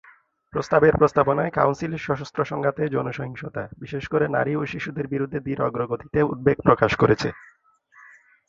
প্রস্তাবের প্রস্তাবনায় কাউন্সিল সশস্ত্র সংঘাতে যৌন সহিংসতা, বিশেষ করে নারী ও শিশুদের বিরুদ্ধে ধীর অগ্রগতিতে উদ্বেগ প্রকাশ করেছে।